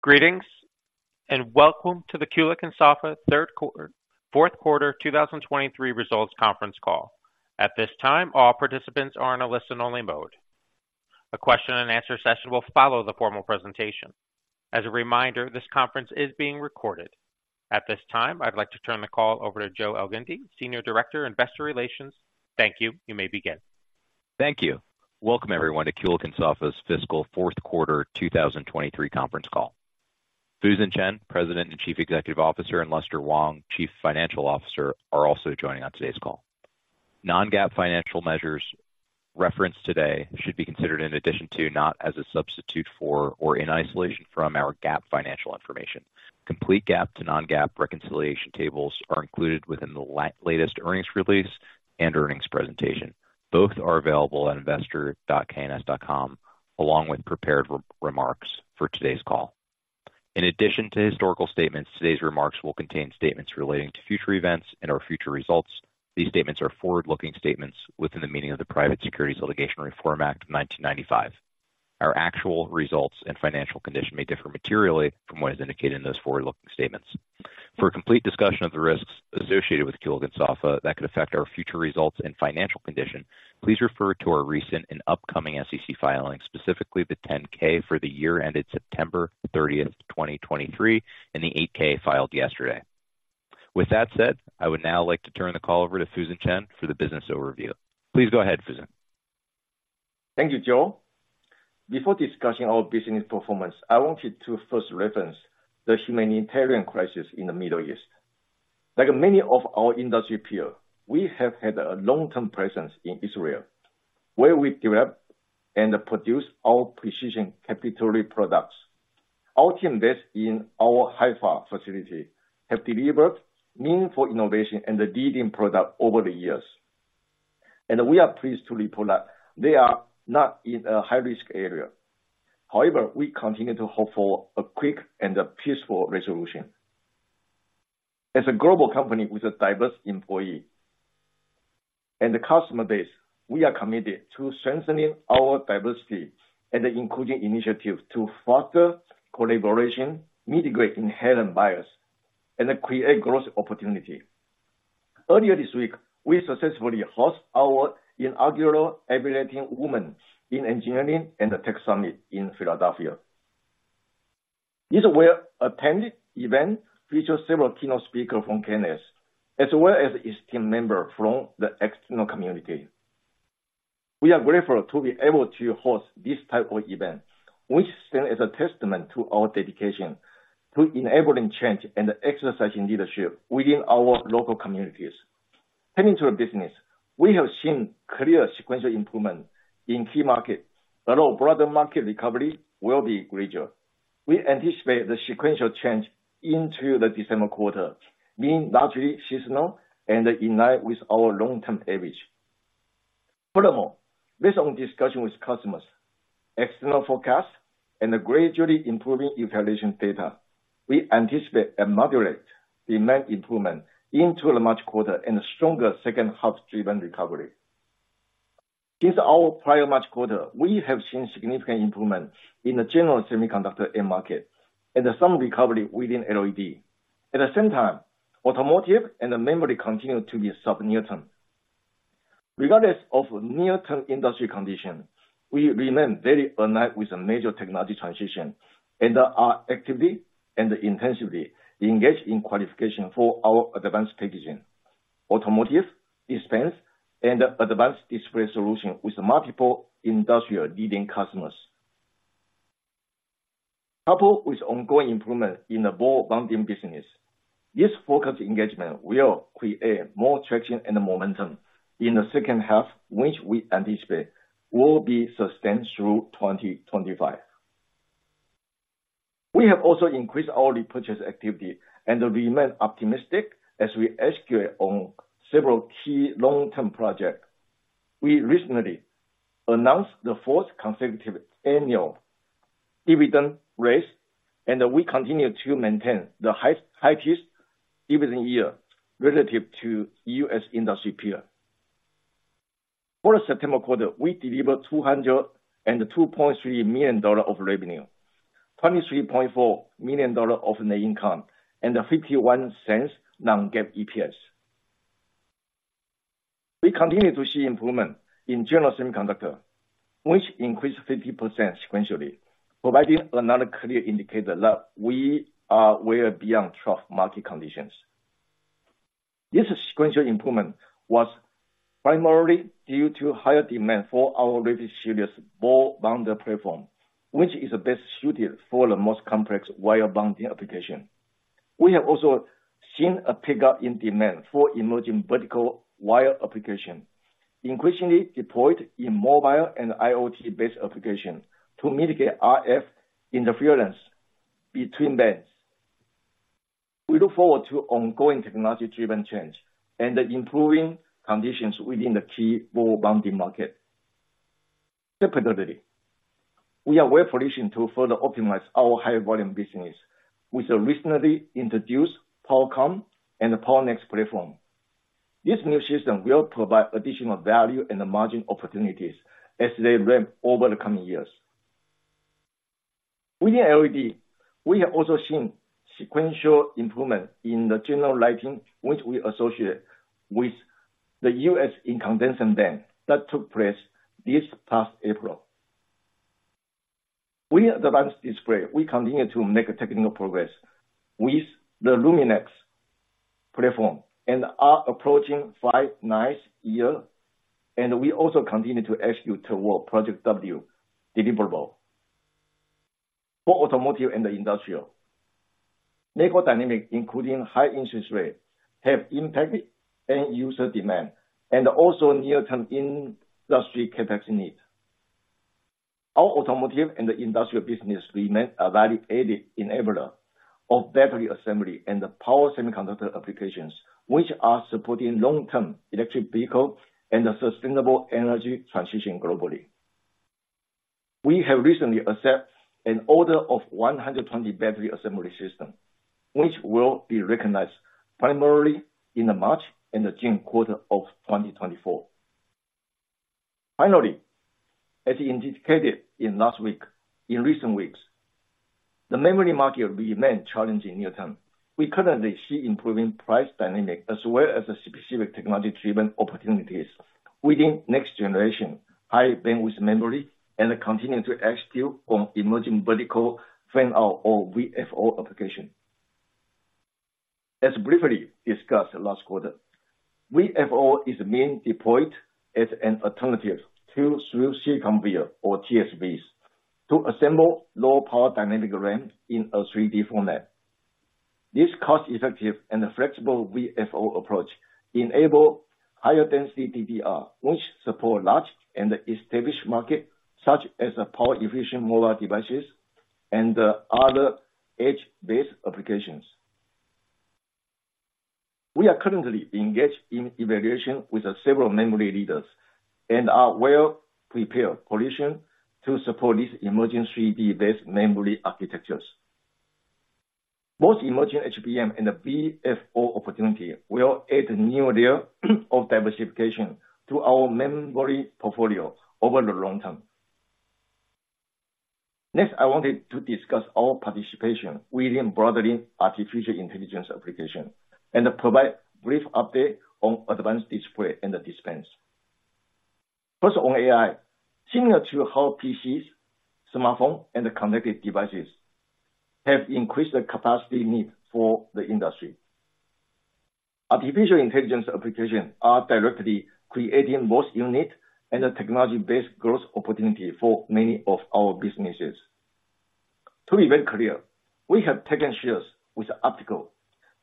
Greetings, and welcome to the Kulicke & Soffa Q4 2023 results conference call. At this time, all participants are in a listen-only mode. A question and answer session will follow the formal presentation. As a reminder, this conference is being recorded. At this time, I'd like to turn the call over to Joe Elgindy, Senior Director, Investor Relations. Thank you. You may begin. Thank you. Welcome everyone to Kulicke & Soffa's fiscal Q4 2023 conference call. Fusen Chen, President and Chief Executive Officer, and Lester Wong, Chief Financial Officer, are also joining on today's call. Non-GAAP financial measures referenced today should be considered in addition to, not as a substitute for or in isolation from our GAAP financial information. Complete GAAP to non-GAAP reconciliation tables are included within the latest earnings release and earnings presentation. Both are available at investor.kns.com, along with prepared remarks for today's call. In addition to historical statements, today's remarks will contain statements relating to future events and/or future results. These statements are forward-looking statements within the meaning of the Private Securities Litigation Reform Act of 1995. Our actual results and financial condition may differ materially from what is indicated in those forward-looking statements. For a complete discussion of the risks associated with Kulicke & Soffa that could affect our future results and financial condition, please refer to our recent and upcoming SEC filings, specifically the 10-K for the year ended September 30, 2023, and the 8-K filed yesterday. With that said, I would now like to turn the call over to Fusen Chen for the business overview. Please go ahead, Fusen. Thank you, Joe. Before discussing our business performance, I wanted to first reference the humanitarian crisis in the Middle East. Like many of our industry peers, we have had a long-term presence in Israel, where we develop and produce our precision capillary products. Our team there in our Haifa facility have delivered meaningful innovation and the leading product over the years, and we are pleased to report that they are not in a high-risk area. However, we continue to hope for a quick and a peaceful resolution. As a global company with a diverse employee and a customer base, we are committed to strengthening our diversity and inclusion initiatives to foster collaboration, mitigate inherent bias and create growth opportunity. Earlier this week, we successfully hosted our inaugural Enabling Women in Engineering and Tech Summit in Philadelphia. This well-attended event featured several keynote speakers from KNS, as well as esteemed members from the external community. We are grateful to be able to host this type of event, which stands as a testament to our dedication to enabling change and exercising leadership within our local communities. Heading to our business, we have seen clear sequential improvement in key markets, although broader market recovery will be gradual. We anticipate the sequential change into the December quarter being largely seasonal and in line with our long-term average. Furthermore, based on discussion with customers, external forecasts and a gradually improving utilization data, we anticipate a moderate demand improvement into the March quarter and a stronger H2-driven recovery. Since our prior March quarter, we have seen significant improvement in the general semiconductor end market and some recovery within LED. At the same time, automotive and memory continue to be subdued near-term. Regardless of near-term industry conditions, we remain very aligned with the major technology transition and are actively and intensively engaged in qualification for our advanced packaging, automotive, dispense and advanced display solution with multiple industrial leading customers. Coupled with ongoing improvement in the ball bonding business, this focused engagement will create more traction and momentum in the H2, which we anticipate will be sustained through 2025. We have also increased our repurchase activity and remain optimistic as we execute on several key long-term projects. We recently announced the fourth consecutive annual dividend raise, and we continue to maintain the highest, highest dividend yield relative to U.S. industry peer. For the September quarter, we delivered $202.3 million of revenue, $23.4 million of net income, and $0.51 non-GAAP EPS. We continue to see improvement in general semiconductor, which increased 50% sequentially, providing another clear indicator that we are way beyond trough market conditions. This sequential improvement was primarily due to higher demand for our latest series ball bonder platform, which is best suited for the most complex wire bonding application. We have also seen a pickup in demand for emerging vertical wire application, increasingly deployed in mobile and IoT-based applications to mitigate RF interference between bands. We look forward to ongoing technology-driven change and improving conditions within the key ball bonding market. Separately, we are well positioned to further optimize our higher volume business with the recently introduced POWERCOMM and the POWERNEXX platform. This new system will provide additional value and margin opportunities as they ramp over the coming years. Within LED, we have also seen sequential improvement in the general lighting, which we associate with the U.S. incandescent ban that took place this past April. We at Advanced Display continue to make technical progress with the Luminex platform and are approaching five nice year, and we also continue to execute toward Project W deliverable. For automotive and the industrial, macro dynamics, including high interest rates, have impacted end user demand and also near-term industry CapEx need. Our automotive and the industrial business remain a validated enabler of battery assembly and the power semiconductor applications, which are supporting long-term electric vehicle and the sustainable energy transition globally. We have recently accepted an order of 120 battery assembly system, which will be recognized primarily in the March and the June quarter of 2024. Finally, as indicated in last week, in recent weeks, the memory market remain challenging near term. We currently see improving price dynamic as well as the specific technology treatment opportunities within next generation, high bandwidth memory, and continuing to execute on emerging vertical fan-out or VFO application. As briefly discussed last quarter, VFO is being deployed as an alternative to through silicon via, or TSVs, to assemble low power dynamic RAM in a 3D format. This cost-effective and flexible VFO approach enable higher density DDR, which support large and established market, such as the power efficient mobile devices and other edge-based applications. We are currently engaged in evaluation with several memory leaders, and are well-prepared position to support these emerging 3D-based memory architectures. Both emerging HBM and the VFO opportunity will add a new layer of diversification to our memory portfolio over the long term. Next, I wanted to discuss our participation within broadening artificial intelligence application, and provide brief update on advanced display and the dispense. First, on AI, similar to how PCs, smartphone, and connected devices have increased the capacity need for the industry, artificial intelligence applications are directly creating both unique and a technology-based growth opportunity for many of our businesses. To be very clear, we have taken shares with optical,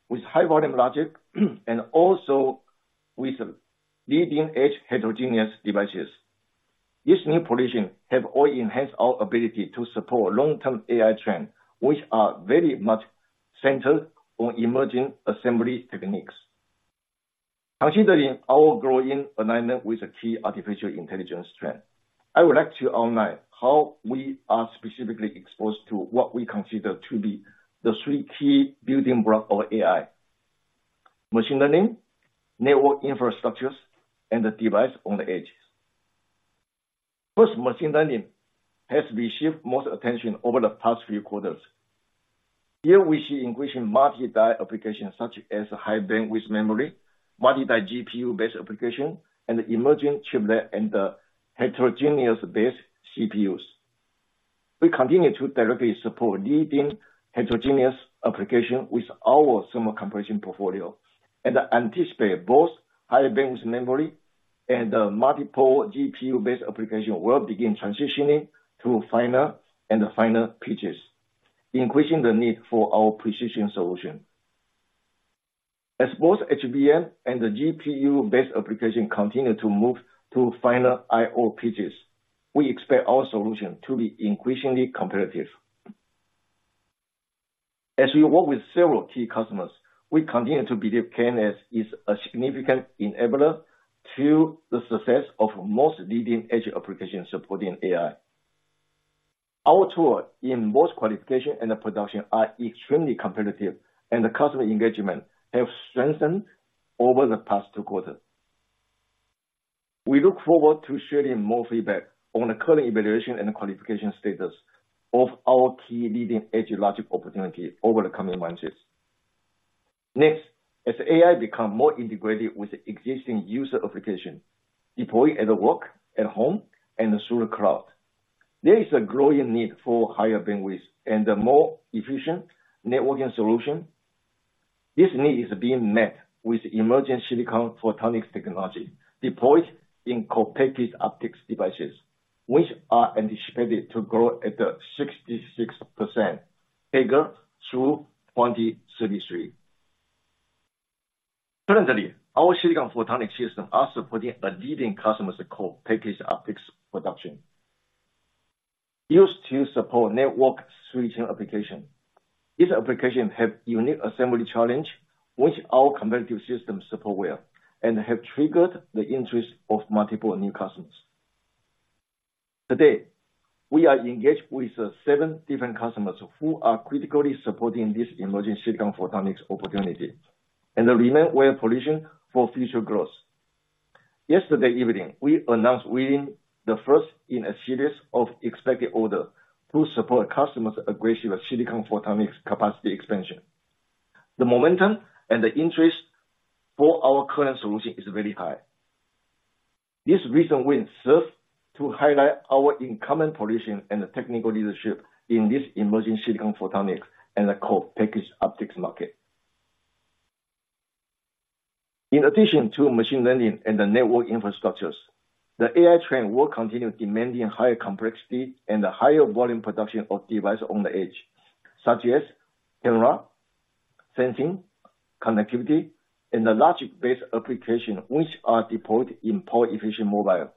with high-volume logic, and also with leading-edge heterogeneous devices. This new position have all enhanced our ability to support long-term AI trend, which are very much centered on emerging assembly techniques. Considering our growing alignment with the key artificial intelligence trend, I would like to outline how we are specifically exposed to what we consider to be the three key building blocks of AI: machine learning, network infrastructures, and the device on the edges. First, machine learning has received most attention over the past few quarters. Here we see increasing multi-die applications such as high bandwidth memory, multi-die GPU-based application, and emerging chiplet and the heterogeneous-based CPUs. We continue to directly support leading heterogeneous application with our thermal compression portfolio, and anticipate both high bandwidth memory and multiple GPU-based application will begin transitioning to finer and finer pitches, increasing the need for our precision solution. As both HBM and the GPU-based application continue to move to finer IO pitches, we expect our solution to be increasingly competitive. As we work with several key customers, we continue to believe KNS is a significant enabler to the success of most leading-edge applications supporting AI. Our tool in both qualification and the production are extremely competitive, and the customer engagement have strengthened over the past two quarters. We look forward to sharing more feedback on the current evaluation and qualification status of our key leading-edge logic opportunity over the coming months. Next, as AI become more integrated with the existing user application, deployed at work, at home, and through the cloud, there is a growing need for higher bandwidth and a more efficient networking solution. This need is being met with emerging Silicon Photonics technology, deployed in co-packaged optics devices, which are anticipated to grow at the 66% CAGR through 2033. Currently, our silicon photonics system are supporting a leading customer's co-package optics production used to support network switching application. This application have unique assembly challenge, which our competitive systems support well, and have triggered the interest of multiple new customers. Today, we are engaged with seven different customers who are critically supporting this emerging Silicon Photonics opportunity, and they remain well positioned for future growth. Yesterday evening, we announced winning the first in a series of expected orders to support customers' aggressive Silicon Photonics capacity expansion. The momentum and the interest for our current solution is very high. This recent win serves to highlight our incumbent position and the technical leadership in this emerging Silicon Photonics and the co-packaged optics market. In addition to machine learning and the network infrastructures, the AI trend will continue demanding higher complexity and the higher volume production of devices on the edge, such as camera, sensing, connectivity, and the logic-based applications which are deployed in power efficient mobile,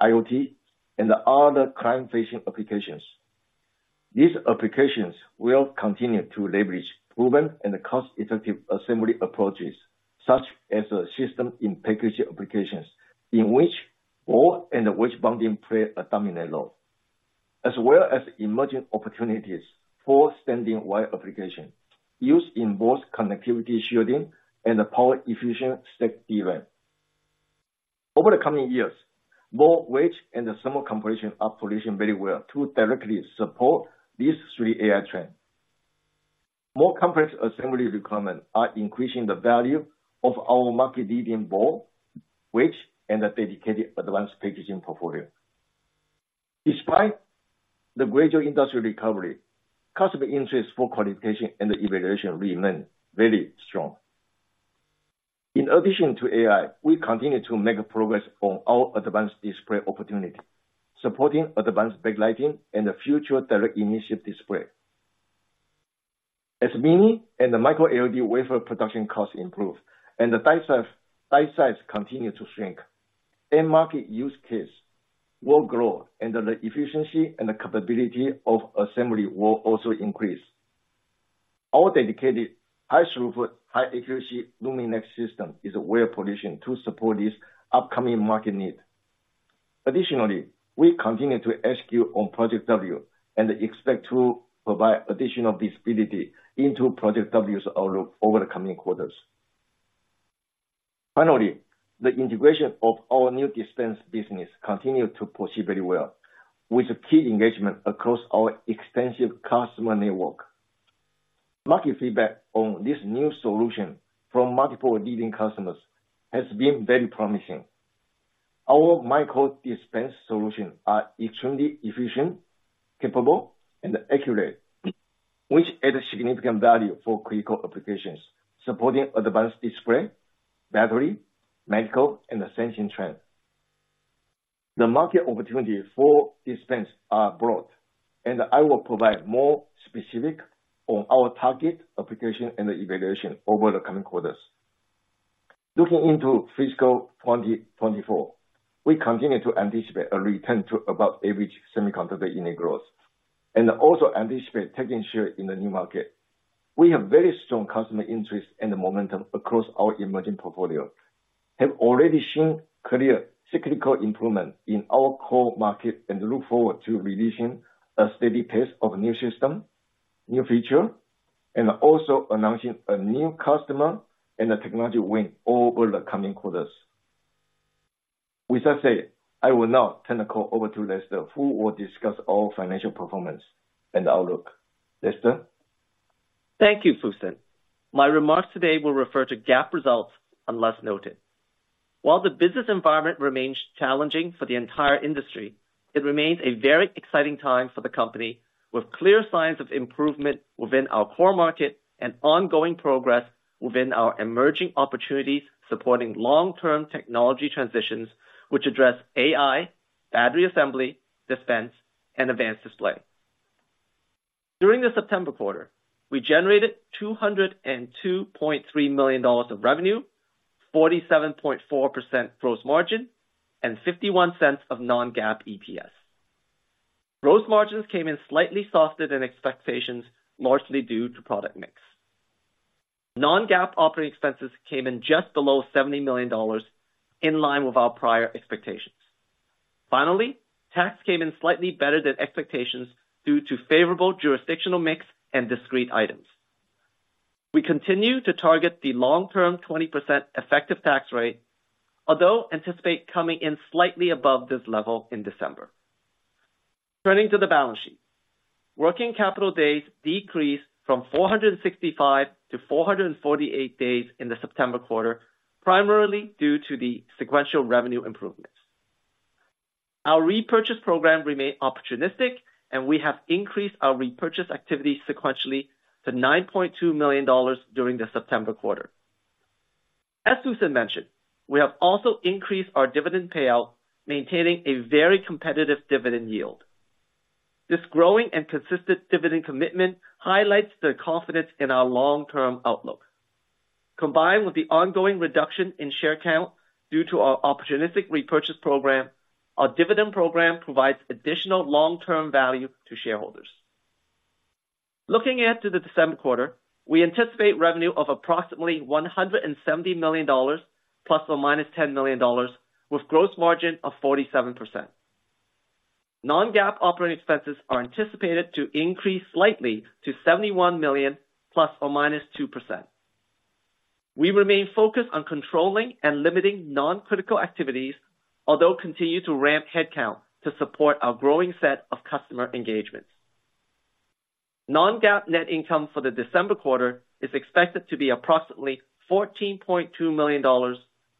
IoT, and other client-facing applications. These applications will continue to leverage proven and cost-effective assembly approaches, such as a system in package applications, in which ball and the wedge bonding play a dominant role, as well as emerging opportunities for vertical wire application, used in both connectivity, shielding, and the power efficient stack device. Over the coming years, both wedge and the thermo-compression are positioned very well to directly support these three AI trends. More complex assembly requirements are increasing the value of our market leading ball bonder and the dedicated advanced packaging portfolio. Despite the gradual industrial recovery, customer interest for qualification and evaluation remain very strong. In addition to AI, we continue to make progress on our advanced display opportunity, supporting advanced backlighting and the future direct-emissive display. As mini and the micro LED wafer production costs improve and the die size, die size continue to shrink, end market use case will grow, and the efficiency and the capability of assembly will also increase. Our dedicated high throughput, high accuracy Luminex system is well positioned to support this upcoming market need. Additionally, we continue to execute on Project W and expect to provide additional visibility into Project W's outlook over the coming quarters. Finally, the integration of our new dispense business continued to proceed very well, with key engagement across our extensive customer network. Market feedback on this new solution from multiple leading customers has been very promising. Our micro dispense solutions are extremely efficient, capable, and accurate, which add significant value for critical applications, supporting advanced display, battery, medical, and the sensing trend. The market opportunity for dispense are broad, and I will provide more specific on our target application and the evaluation over the coming quarters. Looking into fiscal 2024, we continue to anticipate a return to about average semiconductor unit growth and also anticipate taking share in the new market. We have very strong customer interest and momentum across our emerging portfolio, have already shown clear technical improvement in our core market, and look forward to releasing a steady pace of new system, new feature, and also announcing a new customer and a technology win over the coming quarters. With that said, I will now turn the call over to Lester, who will discuss our financial performance and outlook. Lester? Thank you, Fusen. My remarks today will refer to GAAP results, unless noted. While the business environment remains challenging for the entire industry, it remains a very exciting time for the company, with clear signs of improvement within our core market and ongoing progress within our emerging opportunities, supporting long-term technology transitions, which address AI, battery assembly, dispense, and advanced display. During the September quarter, we generated $202.3 million of revenue, 47.4% gross margin, and $0.51 non-GAAP EPS. Gross margins came in slightly softer than expectations, largely due to product mix. Non-GAAP operating expenses came in just below $70 million, in line with our prior expectations. Finally, tax came in slightly better than expectations due to favorable jurisdictional mix and discrete items. We continue to target the long-term 20% effective tax rate, although anticipate coming in slightly above this level in December. Turning to the balance sheet. Working capital days decreased from 465 to 448 days in the September quarter, primarily due to the sequential revenue improvements. Our repurchase program remained opportunistic, and we have increased our repurchase activity sequentially to $9.2 million during the September quarter. As Fusen mentioned, we have also increased our dividend payout, maintaining a very competitive dividend yield. This growing and consistent dividend commitment highlights the confidence in our long-term outlook. Combined with the ongoing reduction in share count due to our opportunistic repurchase program, our dividend program provides additional long-term value to shareholders. ...Looking into the December quarter, we anticipate revenue of approximately $170 million ±$10 million, with gross margin of 47%. Non-GAAP operating expenses are anticipated to increase slightly to $71 million ±2%. We remain focused on controlling and limiting non-critical activities, although continue to ramp headcount to support our growing set of customer engagements. Non-GAAP net income for the December quarter is expected to be approximately $14.2 million,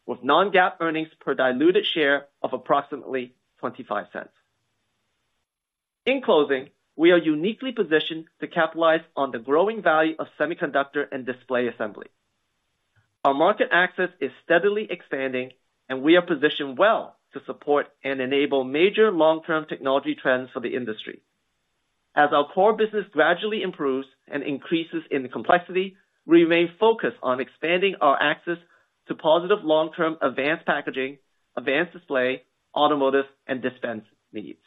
with non-GAAP earnings per diluted share of approximately $0.25. In closing, we are uniquely positioned to capitalize on the growing value of semiconductor and display assembly. Our market access is steadily expanding, and we are positioned well to support and enable major long-term technology trends for the industry. As our core business gradually improves and increases in complexity, we remain focused on expanding our access to positive long-term advanced packaging, advanced display, automotive, and dispense needs.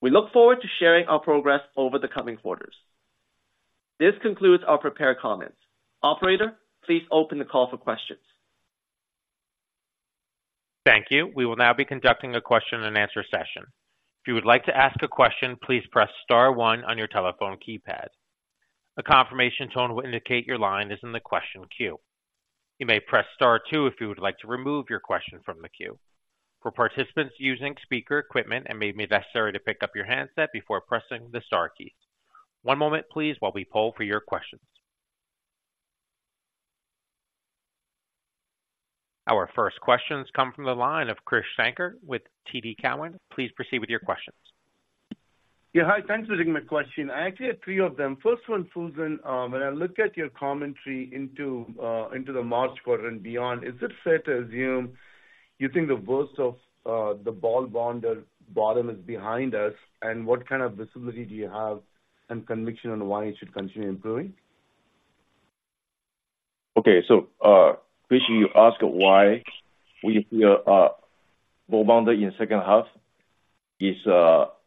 We look forward to sharing our progress over the coming quarters. This concludes our prepared comments. Operator, please open the call for questions. Thank you. We will now be conducting a question-and-answer session. If you would like to ask a question, please press star one on your telephone keypad. A confirmation tone will indicate your line is in the question queue. You may press star two if you would like to remove your question from the queue. For participants using speaker equipment, it may be necessary to pick up your handset before pressing the star key. One moment please, while we poll for your questions. Our first questions come from the line of Krish Sankar with TD Cowen. Please proceed with your questions. Yeah, hi. Thanks for taking my question. I actually have three of them. First one, Fusen, when I look at your commentary into the March quarter and beyond, is it fair to assume you think the worst of the ball bonder bottom is behind us? And what kind of visibility do you have and conviction on why it should continue improving? Okay, so, Krish, you ask why we feel ball bonder in H2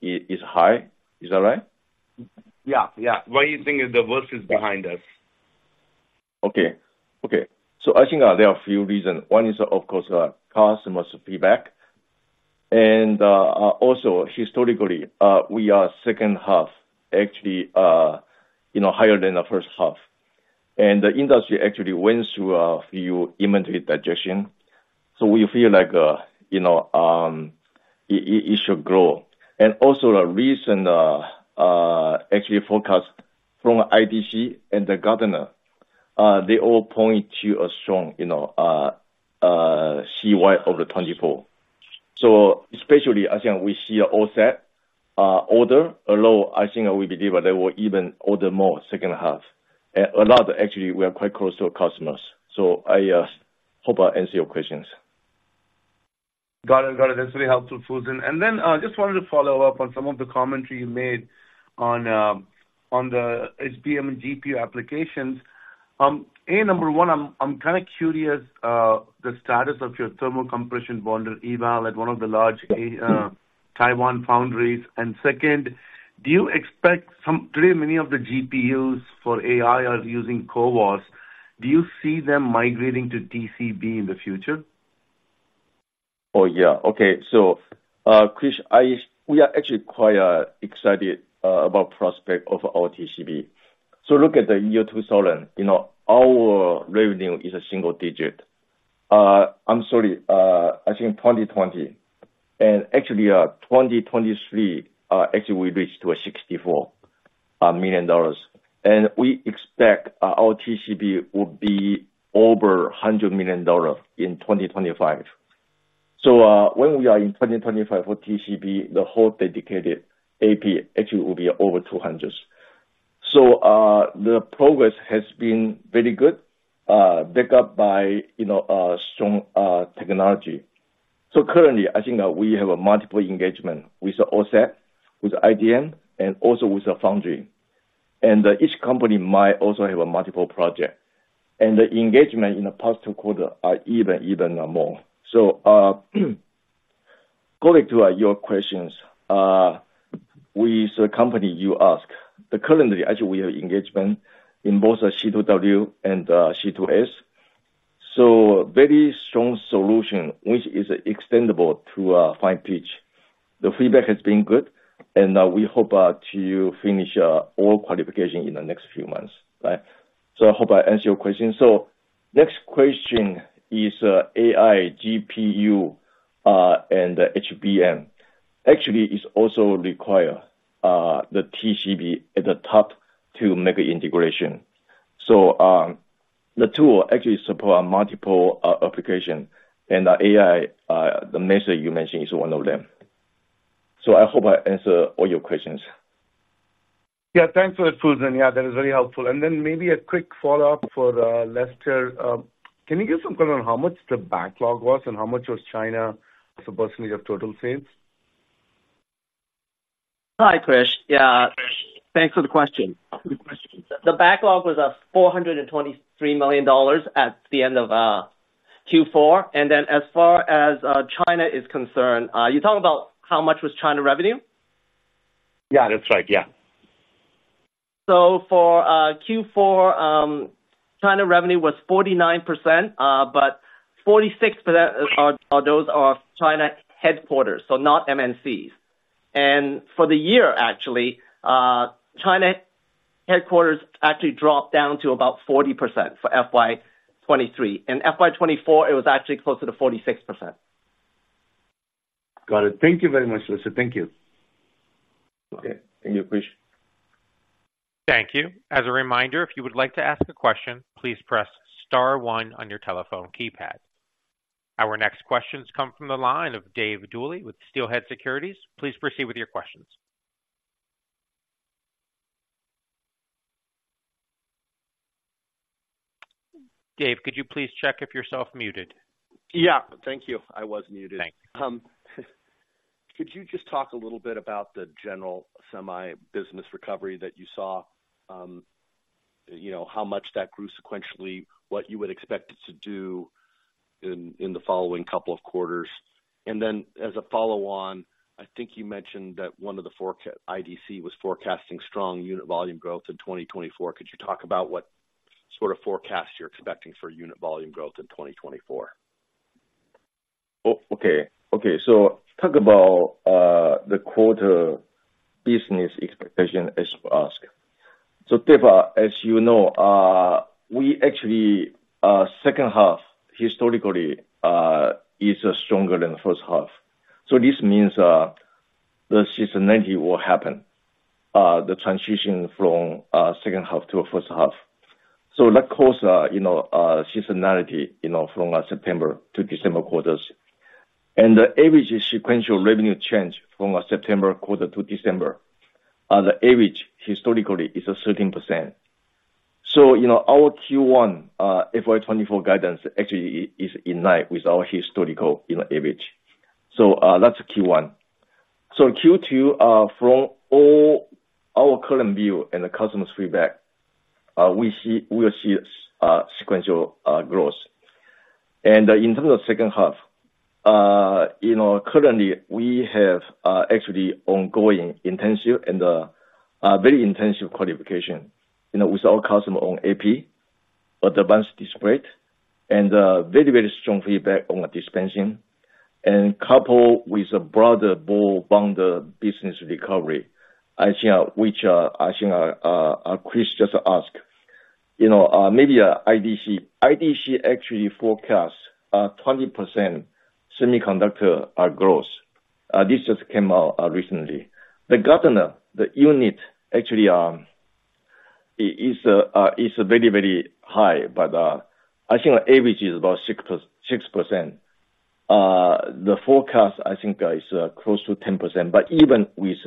is high. Is that right? Yeah, yeah. Why you think the worst is behind us? Okay. Okay. So I think, there are a few reasons. One is of course, customers feedback. And, also historically, we are H2 actually, you know, higher than the H1. And the industry actually went through a few inventory digestion. So we feel like, you know, it should grow. And also the recent, actually forecast from IDC and Gartner, they all point to a strong, you know, CY 2024. So especially I think we see offset, order although I think we believe that they will even order more H2. And a lot actually, we are quite close to our customers, so I, hope I answer your questions. Got it. Got it. That's very helpful, Fusen. And then, just wanted to follow up on some of the commentary you made on, on the HBM and GPU applications. A, number one, I'm, I'm kind of curious, the status of your thermo-compression bonder eval at one of the large, Taiwan foundries. And second, do you expect some... Pretty many of the GPUs for AI are using CoWoS. Do you see them migrating to TCB in the future? Oh, yeah. Okay. So, Krish, we are actually quite excited about prospect of our TCB. So look at the year 2000, you know, our revenue is a single digit. I'm sorry, I think 2020. And actually, 2023, actually we reached to a $64 million, and we expect our TCB will be over $100 million in 2025. So, when we are in 2025 for TCB, the whole dedicated AP actually will be over $200 million. So, the progress has been very good, backed up by, you know, strong technology. So currently, I think we have a multiple engagement with OSAT, with IDM and also with the foundry. And each company might also have a multiple project. And the engagement in the past two quarter are even more. So, going to your questions. We, the company you ask, but currently actually we have engagement in both the C2W and C2S. So very strong solution, which is extendable to fine pitch. The feedback has been good, and we hope to finish all qualification in the next few months, right? So I hope I answered your question. So next question is AI, GPU, and HBM. Actually, it also require the TCB at the top to make the integration. So, the tool actually support multiple application, and AI, the measure you mentioned is one of them. So I hope I answer all your questions. Yeah, thanks for that, Fusen. Yeah, that is very helpful. And then maybe a quick follow-up for, Lester. Can you give some color on how much the backlog was and how much was China as a percentage of total sales? Hi, Krish. Yeah, thanks for the question. The backlog was $423 million at the end of Q4, and then as far as China is concerned, you talking about how much was China revenue? Yeah, that's right. Yeah. So for Q4, China revenue was 49%, but 46% of those are China headquarters, so not MNCs. And for the year, actually, China headquarters actually dropped down to about 40% for FY 2023, and FY 2024, it was actually closer to 46%. Got it. Thank you very much, Lester. Thank you. Okay, thank you, Krish. Thank you. As a reminder, if you would like to ask a question, please press star one on your telephone keypad. Our next questions come from the line of Dave Duley with Steelhead Securities. Please proceed with your questions. Dave, could you please check if you're self muted? Yeah. Thank you. I was muted. Thank you. Could you just talk a little bit about the general semi business recovery that you saw? You know, how much that grew sequentially, what you would expect it to do in the following couple of quarters? And then, as a follow on, I think you mentioned that one of the forecast, IDC, was forecasting strong unit volume growth in 2024. Could you talk about what sort of forecast you're expecting for unit volume growth in 2024? Oh, okay. Okay, so talk about the quarter business expectation as asked. So Dave, as you know, we actually H2 historically is stronger than the H1. So this means, you know, seasonality, you know, from September to December quarters. And the average sequential revenue change from September quarter to December, the average historically is 13%. So, you know, our Q1 FY 2024 guidance actually is in line with our historical, you know, average. So, uh, that's Q1. So Q2, uh, from all our current view and the customer feedback, we will see sequential growth. And in terms of H2, you know, currently we have actually ongoing intensive and very intensive qualification, you know, with our customer on AP, but advanced display and very, very strong feedback on the dispensing and coupled with a broader ball bonder business recovery, I think, which, I think, Krish just asked. You know, maybe, IDC. IDC actually forecast 20% semiconductor growth. This just came out recently. The Gartner, the unit actually is very, very high, but I think on average is about 6.6%. The forecast, I think, is close to 10%, but even with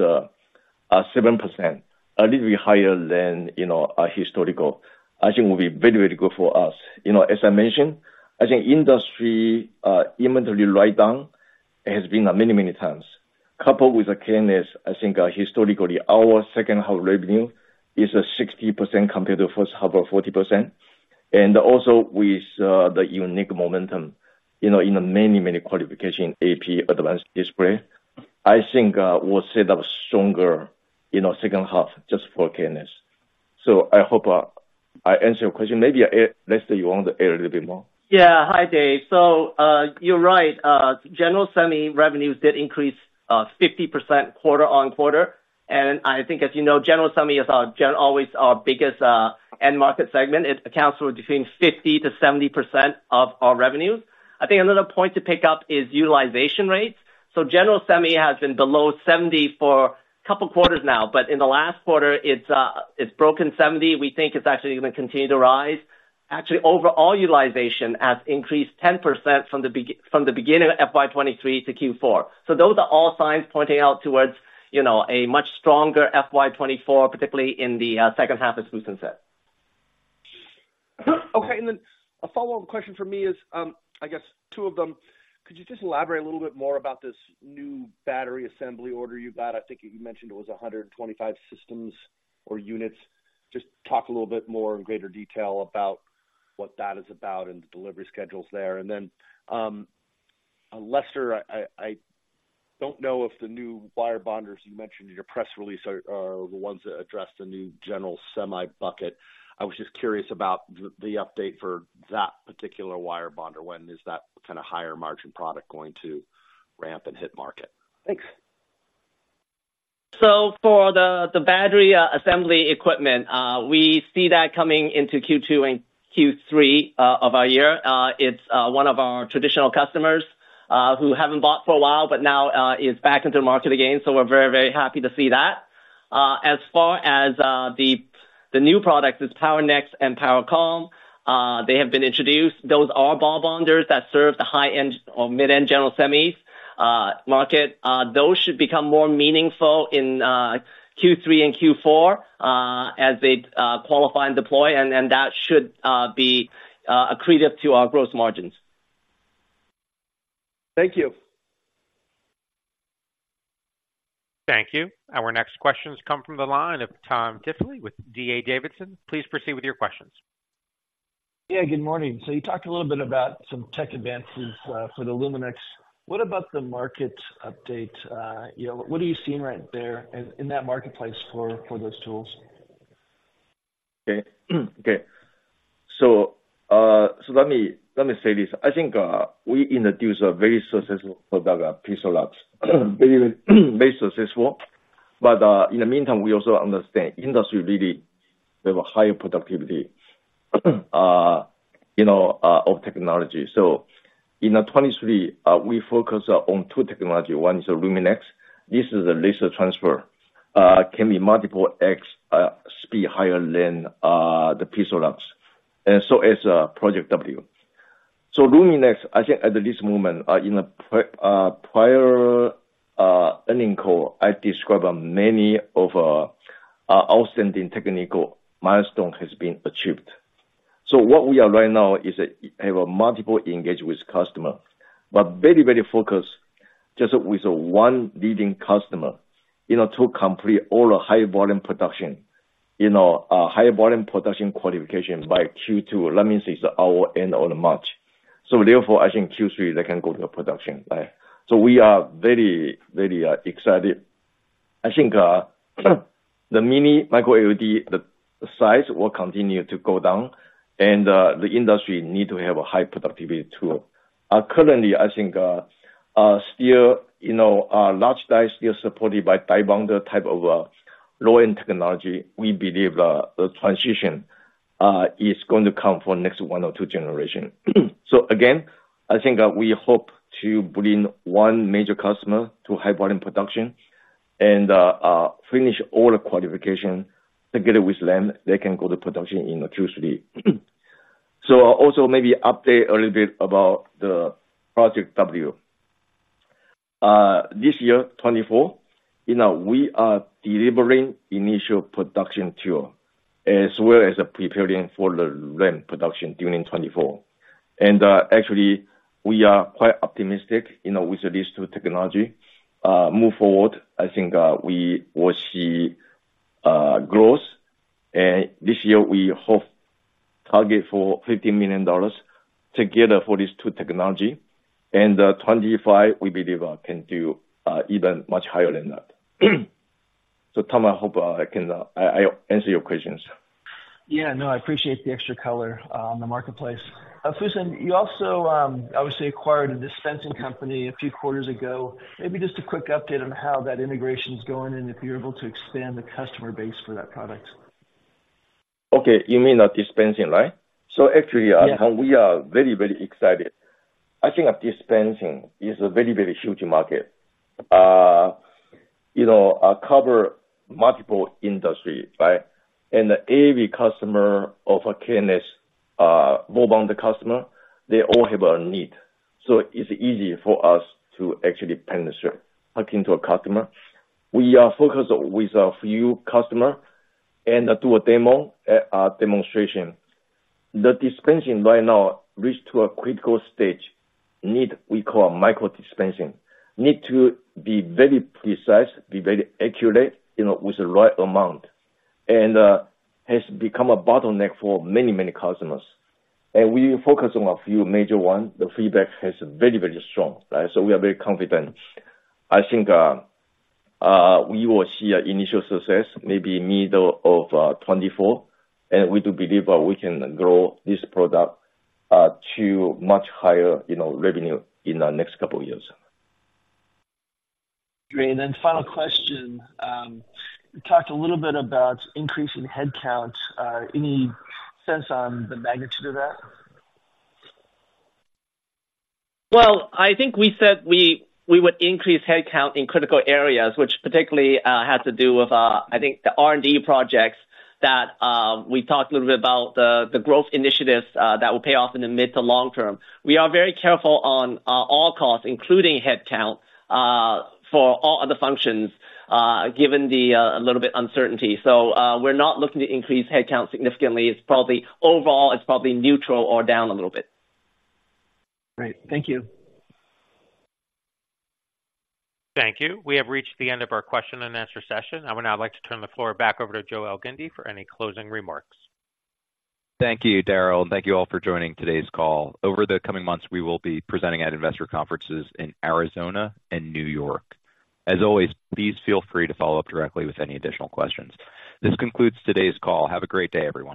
7%, a little bit higher than, you know, historical, I think will be very, very good for us. You know, as I mentioned, I think industry inventory write down has been many, many times. Coupled with the KNS, I think historically, our H2 revenue is 60% compared to H1, or 40%. And also with the unique momentum, you know, in many, many qualification, AP, advanced display, I think will set up stronger, you know, H2 just for KNS. So I hope I answered your question. Maybe Lester, you want to add a little bit more? Yeah. Hi, Dave. So, you're right. General semi revenues did increase 50% quarter on quarter. And I think, as you know, general semi is our always our biggest end market segment. It accounts for between 50%-70% of our revenues. I think another point to pick up is utilization rates. So general semi has been below 70% for a couple quarters now, but in the last quarter, it's broken 70%. We think it's actually going to continue to rise. Actually, overall utilization has increased 10% from the beginning of FY 2023 to Q4. So those are all signs pointing out towards, you know, a much stronger FY 2024, particularly in the H2, as Fusen said. Okay, and then a follow-up question for me is. I guess two of them. Could you just elaborate a little bit more about this new battery assembly order you got? I think you mentioned it was 125 systems or units. Just talk a little bit more in greater detail about what that is about and the delivery schedules there. And then, Lester, I don't know if the new wire bonders you mentioned in your press release are the ones that address the new general semi bucket. I was just curious about the update for that particular wire bonder. When is that kind of higher margin product going to ramp and hit market? Thanks. So for the battery assembly equipment, we see that coming into Q2 and Q3 of our year. It's one of our traditional customers who haven't bought for a while, but now is back into the market again. So we're very, very happy to see that. As far as the new products, it's POWERNEXX and POWERCOMM. They have been introduced. Those are ball bonders that serve the high-end or mid-end general semis market. Those should become more meaningful in Q3 and Q4 as they qualify and deploy, and that should be accretive to our growth margins. Thank you.... Thank you. Our next questions come from the line of Tom Diffely with D.A. Davidson. Please proceed with your questions. Yeah, good morning. So you talked a little bit about some tech advances for the Luminex. What about the market update? You know, what are you seeing right there in that marketplace for those tools? Okay. Okay. So let me say this. I think we introduced a very successful product, PIXALUX. Very, very successful. But in the meantime, we also understand industry really have a higher productivity, you know, of technology. So in 2023, we focus on two technology. One is Luminex. This is a laser transfer. Can be multiple x speed higher than the PIXALUX, and so is Project W. So Luminex, I think at this moment, in the prior earning call, I described many of outstanding technical milestone has been achieved. So what we are right now is have a multiple engagement with customer, but very, very focused just with one leading customer, you know, to complete all the high volume production, you know, high volume production qualifications by Q2. Let me say it's our end of March. So therefore, I think Q3 they can go to production, right? So we are very, very, excited. I think, the mini micro LED, the size will continue to go down, and, the industry need to have a high productivity, too. Currently, I think, still, you know, large size still supported by die bonder type of, low-end technology. We believe, the transition, is going to come for next one or two generation. So again, I think, we hope to bring one major customer to high volume production and, finish all the qualification together with them. They can go to production in Q3. So also maybe update a little bit about the Project W. This year, 2024, you know, we are delivering initial production tool as well as preparing for the ramp production during 2024. And, actually, we are quite optimistic, you know, with these two technology. Move forward, I think, we will see growth. And this year, we hope target for $50 million together for these two technology. And, 2025, we believe can do even much higher than that. So Tom, I hope I can... I, I answer your questions. Yeah, no, I appreciate the extra color on the marketplace. Fusen, you also obviously acquired a dispensing company a few quarters ago. Maybe just a quick update on how that integration is going and if you're able to expand the customer base for that product. Okay. You mean the dispensing, right? So actually- Yeah. We are very, very excited. I think dispensing is a very, very huge market. You know, cover multiple industry, right? And every customer of KNS, mobile customer, they all have a need. So it's easy for us to actually penetrate into a customer. We are focused with a few customer and do a demo, demonstration. The dispensing right now reached to a critical stage, need we call micro dispensing. Need to be very precise, be very accurate, you know, with the right amount. And has become a bottleneck for many, many customers. And we focus on a few major ones. The feedback has very, very strong, right? So we are very confident. I think, we will see initial success maybe middle of 2024, and we do believe that we can grow this product to much higher, you know, revenue in the next couple of years. Great. And then final question. You talked a little bit about increasing headcount. Any sense on the magnitude of that? Well, I think we said we would increase headcount in critical areas, which particularly has to do with, I think, the R&D projects that we talked a little bit about the growth initiatives that will pay off in the mid- to long-term. We are very careful on all costs, including headcount, for all other functions, given the a little bit uncertainty. So, we're not looking to increase headcount significantly. It's probably... Overall, it's probably neutral or down a little bit. Great. Thank you. Thank you. We have reached the end of our question and answer session. I would now like to turn the floor back over to Joe Elgindy for any closing remarks. Thank you, Daryl, and thank you all for joining today's call. Over the coming months, we will be presenting at investor conferences in Arizona and New York. As always, please feel free to follow up directly with any additional questions. This concludes today's call. Have a great day, everyone.